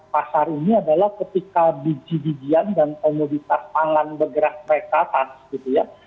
pasar ini adalah ketika biji bijian dan komoditas pangan bergerak naik ke atas gitu ya